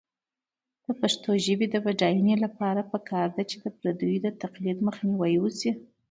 د پښتو ژبې د بډاینې لپاره پکار ده چې پردیو تقلید مخنیوی شي.